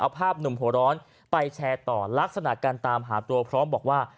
เอาภาพหนุ่มหัวร้อนไปแชร์ต่อลักษณะการตามหาตัวพร้อมบอกว่า